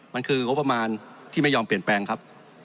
มันคืองบประมาณที่ไม่ยอมเปลี่ยนแปลงครับ